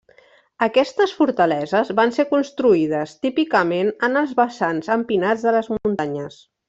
Aquestes fortaleses van ser construïdes típicament en els vessants empinats de les muntanyes.